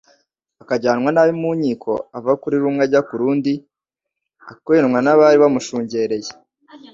akajyanwa nabi mu nkiko ava kuri rumwe ajya ku rundi, akwenwa n'abari bamushungereye.